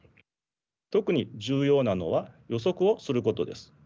特に重要なのは予測をすることです。